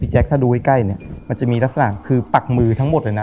แจ๊คถ้าดูใกล้เนี่ยมันจะมีลักษณะคือปักมือทั้งหมดเลยนะ